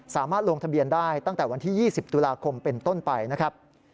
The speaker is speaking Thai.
สามารถลงทะเบียนได้ตั้งแต่วันที่๒๐ตุลาคมเป็นต้นไปนะครับ